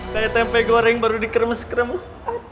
kayak tempe goreng baru dikermes kermes